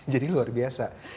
jadi luar biasa